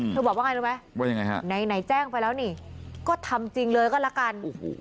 บอกว่าไงรู้ไหมว่ายังไงฮะไหนแจ้งไปแล้วนี่ก็ทำจริงเลยก็ละกัน